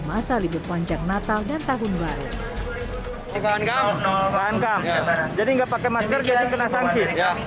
masa libur panjang natal dan tahun baru jadi enggak pakai masker jadi kena sanksi